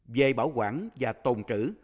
về bảo quản và tồn trữ